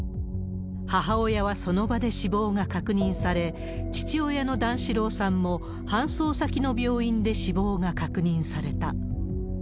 母親はその場で死亡が確認され、父親の段四郎さんも、搬送先の病院で死亡が確認された。